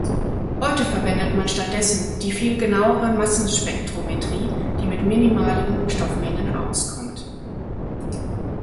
Heute verwendet man stattdessen die viel genauere Massenspektrometrie, die mit minimalen Stoffmengen auskommt.